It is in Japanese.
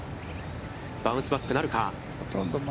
バウンスバックなるか。